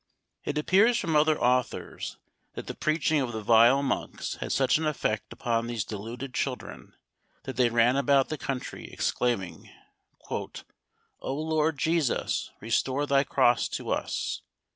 It appears from other authors that the preaching of the vile monks had such an effect upon these deluded children that they ran about the country, exclaiming, "O Lord Jesus, restore thy cross to us!"